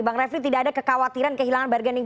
bang refli tidak ada kekhawatiran kehilangan bargaining